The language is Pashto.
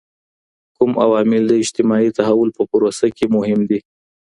کوم عوامل د اجتماعي تحول په پروسه کي مهم دي؟